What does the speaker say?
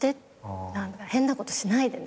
「変なことしないでね」